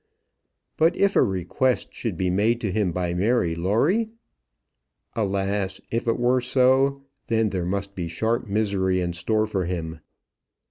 But if a request should be made to him by Mary Lawrie? Alas! if it were so, then there must be sharp misery in store for him.